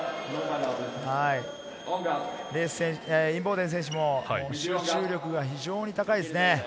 インボーデン選手も集中力が非常に高いですね。